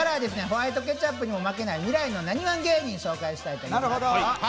ホワイトケチャップにも負けない未来のなにわん芸人を紹介したいと思います。